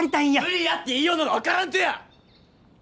無理やって言いようのが分からんとや！